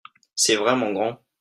C'est vraiment grand.